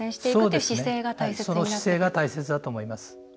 その姿勢が大切だと思います。